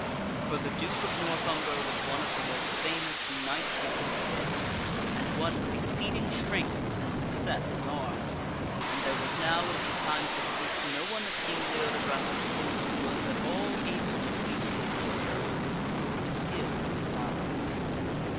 For the Duke o2 castle. North Umber was one of the most famous knights of his day, and one of exceeding strength and success at arms, and there was now, in these times of peace, no one of King Leodegrance's Court who was at all able to face a warrior of his approved skill and valor.